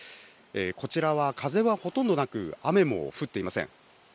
こちらは風はほとんどなく、雨も降っていません。